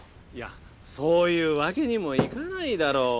いやそういうわけにもいかないだろ。